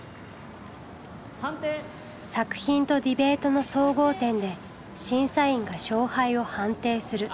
作品とディベートの総合点で審査員が勝敗を判定する。